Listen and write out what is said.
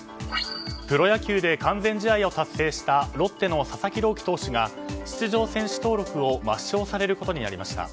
プロ野球で完全試合を達成したロッテの佐々木朗希投手が出場選手登録を抹消されることになりました。